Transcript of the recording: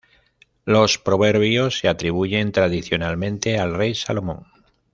Los Proverbios se atribuyen tradicionalmente al rey Salomón.